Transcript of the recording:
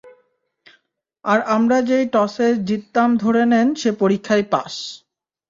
আর আমরা যেই টসে জিততাম ধরে নেন সে পরীক্ষায় পাস!